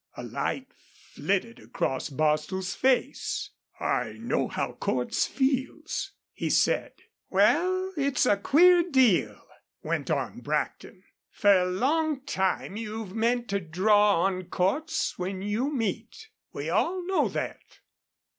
A light flitted across Bostil's face. "I know how Cordts feels," he said. "Wal, it's a queer deal," went on Brackton. "Fer a long time you've meant to draw on Cordts when you meet. We all know thet."